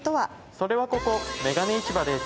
それはここ眼鏡市場です。